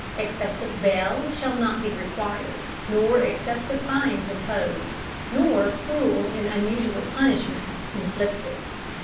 Excessive bail shall not be required, nor excessive fines imposed, nor cruel and unusual punishments inflicted.